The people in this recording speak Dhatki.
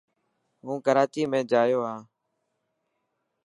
هون ڪراچي ۾ جايو هي.